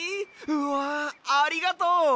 うわありがとう！